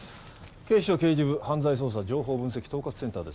警視庁刑事部犯罪捜査情報分析統括センターです。